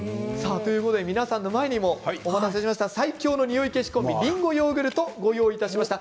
皆さんの前にもお待たせしました最強のにおい消しコンビりんごヨーグルトをご用意いたしました。